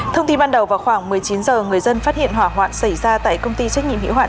thông tin ban đầu vào khoảng một mươi chín h người dân phát hiện hỏa hoạn xảy ra tại công ty trách nhiệm hiệu hoạn